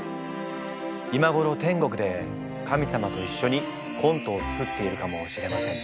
今頃天国で神様と一緒にコントを作っているかもしれませんね。